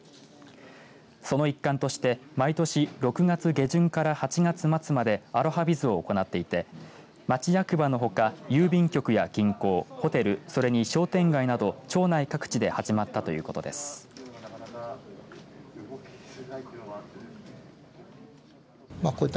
その一環として毎年６月下旬から８月末までアロハビズを行っていて町役場のほか郵便局や銀行ホテル、それに商店街など町内各地で始まったということです。